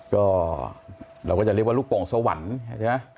ก็เราก็จะเรียกว่าลูกโป่งสวรรค์ใช่ไหม